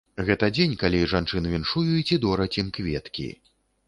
Гэта дзень, калі жанчын віншуюць і дораць ім кветкі.